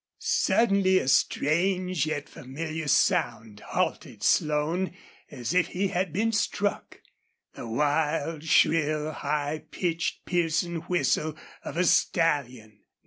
Suddenly a strange yet familiar sound halted Slone, as if he had been struck. The wild, shrill, high pitched, piercing whistle of a stallion!